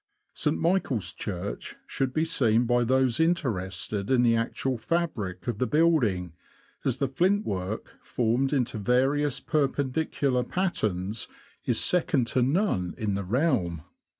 St. Michael's Church should be seen by those in terested in the actual fabric of the building, as the flintwork, formed into various Perpendicular patterns, is second to none in the realm.